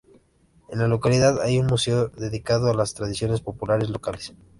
En la localidad hay un museo dedicado a las tradiciones populares locales.